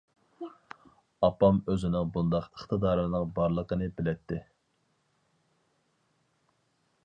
ئاپام ئۆزىنىڭ بۇنداق ئىقتىدارىنىڭ بارلىقىنى بىلەتتى.